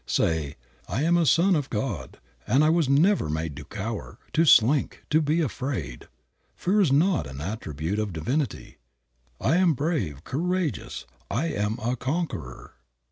Say, "I am a son of God, and I was never made to cower, to slink, to be afraid. Fear is not an attribute of divinity. I am brave, courageous; I am a conqueror."